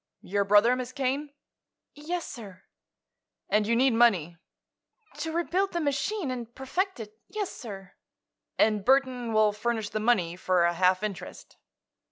"Your brother, Miss Kane?" "Yes, sir." "And you need money?" "To rebuild the machine, and perfect it; yes, sir." "And Burthon will furnish the money, for a half interest?"